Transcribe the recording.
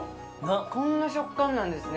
こんな食感なんですね